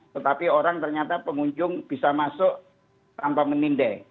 tetapi orang ternyata pengunjung bisa masuk tanpa menindai